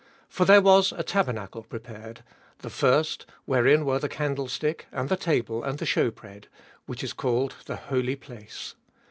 2. For there was a tabernacle prepared, the first, wherein were the candle stick, and the table, and the shewbread; which is called the Holy Place.